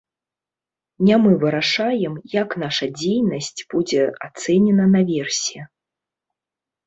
Не мы вырашаем, як наша дзейнасць будзе ацэнена наверсе.